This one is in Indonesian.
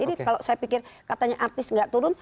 jadi kalau saya pikir katanya artis nggak turun